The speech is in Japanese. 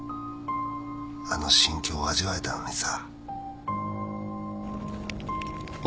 あの心境を味わえたのにさ